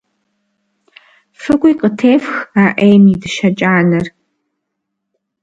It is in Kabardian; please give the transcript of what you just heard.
ФыкӀуи къытефх, а Ӏейм и дыщэ кӀанэр!